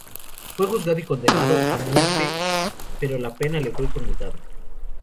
Fue juzgado y condenado a muerte, pero la pena le fue conmutada.